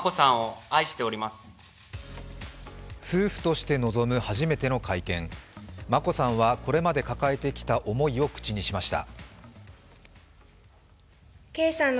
夫婦として臨む初めての会見眞子さんはこれまで抱えてきた思いを明らかにしました。